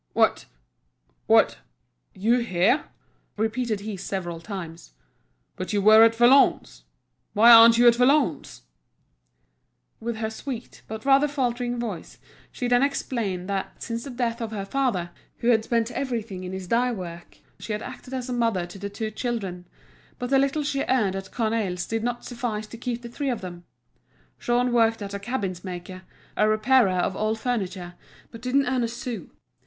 "What—what, you here?" repeated he several times. "But you were at Valognes. Why aren't you at Valognes?" With her sweet but rather faltering voice she then explained that since the death of her father, who had spent everything in his dye works, she had acted as a mother to the two children, but the little she earned at Cornaille's did not suffice to keep the three of them. Jean worked at a cabinetmaker's, a repairer of old furniture, but didn't earn a sou.